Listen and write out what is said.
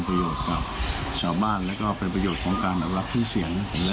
ระหว่างผู้ฟังกับผู้ผิด